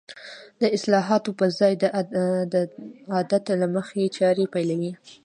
د اصلاحاتو په ځای د عادت له مخې چارې پيلوي.